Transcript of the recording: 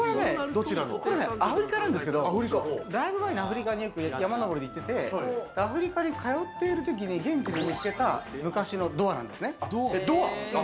これはアフリカなんですけど、だいぶ前にアフリカに山登りで行っててアフリカに通ってる時に現地で見つけた昔のドアなんですね。